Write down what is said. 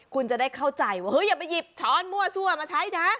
คุณจะได้เข้าใจว่าอย่าไปหยิบช้อนมั่วซั่วมาใช้นะ